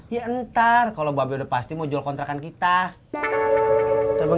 ya ntar kalau babi udah pasti mau jual rumah yang mana